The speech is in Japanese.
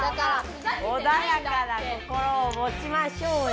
おだやかな心をもちましょうよ！